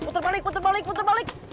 putar balik putar balik putar balik